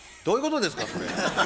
どういうことですかそれ。